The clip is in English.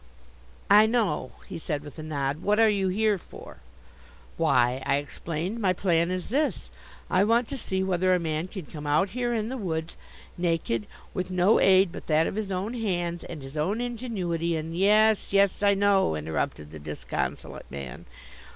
"I know," he said with a nod. "What are you here for?" "Why," I explained, "my plan is this: I want to see whether a man can come out here in the woods, naked, with no aid but that of his own hands and his own ingenuity and " "Yes, yes, I know," interrupted the disconsolate man.